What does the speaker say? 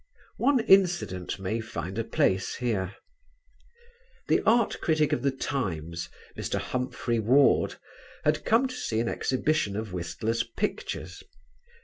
One incident may find a place here. The art critic of The Times, Mr. Humphry Ward, had come to see an exhibition of Whistler's pictures.